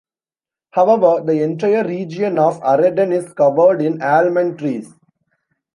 However the entire region of Araden is covered in almond trees.